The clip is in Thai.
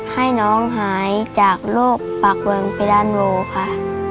ให้น้องหายจากโรคปากวงไปด้านโลค่ะ